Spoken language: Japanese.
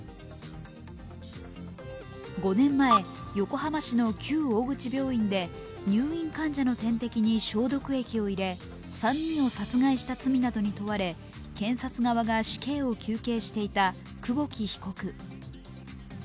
５年前、横浜市の旧大口病院で入院患者の点滴に消毒液を入れ３人を殺害した罪などに問われ検察側が死刑を求刑していた久保木被告。